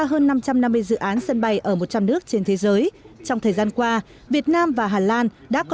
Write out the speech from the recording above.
hơn năm trăm năm mươi dự án sân bay ở một trăm linh nước trên thế giới trong thời gian qua việt nam và hà lan đã có